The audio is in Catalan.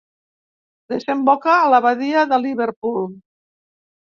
Desemboca a la badia de Liverpool.